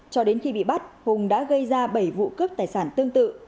cho đến khi bị bắt hùng đã gây ra bảy vụ cướp tài sản tương tự